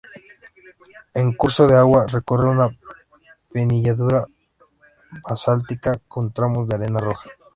El curso de Agua recorre una penillanura basáltica con tramos de arena roja.